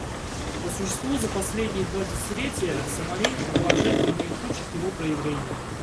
По существу за последние два десятилетия Сомали была жертвой наихудших его проявлений.